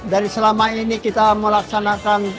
dari selama ini kita melaksanakan